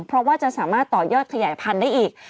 เพราะว่าจะสามารถต่อยอดขยายพันธุ์ได้อีก